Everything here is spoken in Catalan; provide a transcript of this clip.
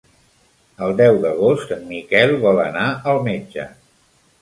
El deu d'agost en Miquel vol anar al metge.